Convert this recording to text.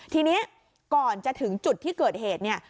ทีนี้ก่อนจะถึงจุดที่เกิดเหตุเนี่ย